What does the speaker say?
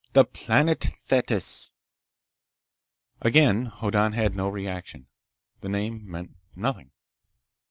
The planet Thetis." Again Hoddan had no reaction. The name meant nothing.